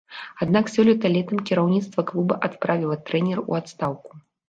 Аднак сёлета летам кіраўніцтва клуба адправіла трэнера ў адстаўку.